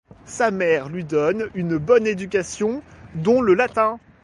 Sa mère lui donne une bonne éducation, dont le latin.